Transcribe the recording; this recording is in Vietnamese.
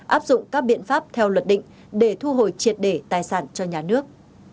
áp dụng các biện pháp theo luật định để thu hồi triệt để tài sản cho nhà nước